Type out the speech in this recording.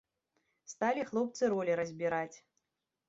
Сталі хлопцы ролі разбіраць.